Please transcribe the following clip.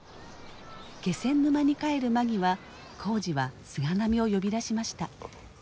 気仙沼に帰る間際耕治は菅波を呼び出しました。